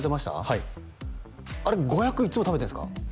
はいあれ５００いっつも食べてるんすか？